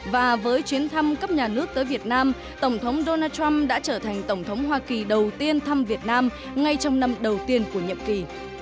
và với chuyến thăm cấp nhà nước tới việt nam tổng thống donald trump đã trở thành tổng thống hoa kỳ đầu tiên thăm việt nam ngay trong năm đầu tiên của nhiệm kỳ